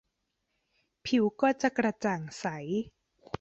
ผิวก็จะกระจ่างใส